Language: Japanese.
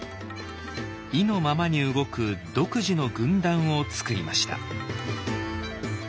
意のままに動く独自の軍団をつくりました。